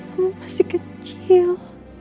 kamu masih kecil